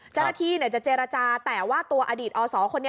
เจ้าหน้าที่จะเจรจาแต่ว่าตัวอดีตอศคนนี้